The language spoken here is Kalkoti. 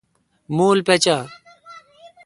موُل پچہ۔